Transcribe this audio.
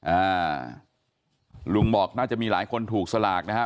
อ่าลุงบอกน่าจะมีหลายคนถูกสลากนะฮะ